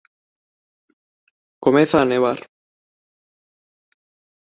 Comeza a nevar.